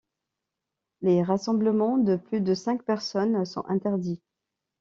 Les rassemblements de plus de cinq personnes sont interdits.